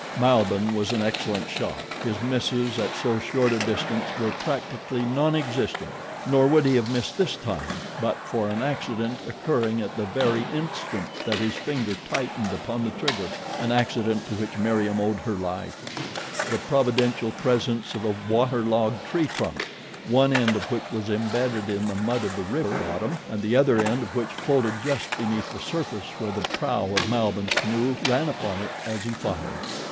Malbihn was an excellent shot. His misses at so short a distance were practically non existent, nor would he have missed this time but for an accident occurring at the very instant that his finger tightened upon the trigger—an accident to which Meriem owed her life—the providential presence of a water logged tree trunk, one end of which was embedded in the mud of the river bottom and the other end of which floated just beneath the surface where the prow of Malbihn's canoe ran upon it as he fired.